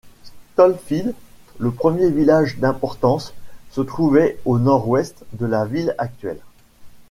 Stotfield, le premier village d'importance, se trouvait au nord-ouest de la ville actuelle.